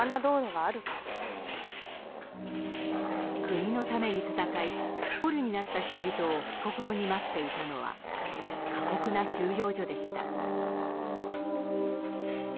国のために戦い捕虜になった人々を帰国後に待っていたのは過酷な収容所でした。